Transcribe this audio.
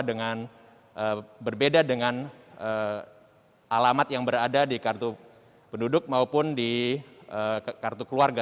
dengan berbeda dengan alamat yang berada di kartu penduduk maupun di kartu keluarga